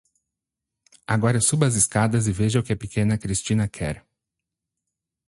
Agora suba as escadas e veja o que a pequena Christina quer.